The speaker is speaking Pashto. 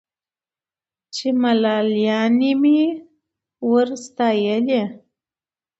چي ملالیاني مي ور ستایلې